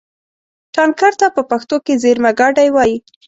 ټانکر ته په پښتو کې زېرمهګاډی وایي.